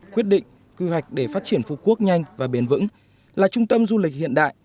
quyết định quy hoạch để phát triển phú quốc nhanh và bền vững là trung tâm du lịch hiện đại